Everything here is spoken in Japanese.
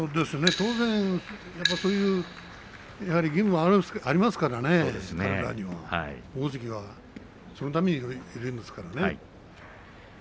当然やはり義務がありますからね大関はそのためにいるんですから。